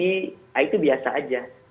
nah itu biasa saja